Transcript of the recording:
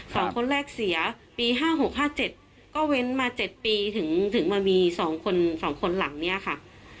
สองคนแรกเสียปี๕๖๗ก็เว้นมา๗ปีถึงมามีสองคนหลังเนี่ยค่ะ